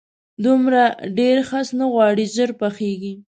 دومره ډېر خس نه غواړي، ژر پخېږي.